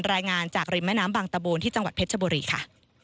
รายงานจากริมแม่น้ำบางตะบูนที่จังหวัดเพชรชบุรีค่ะ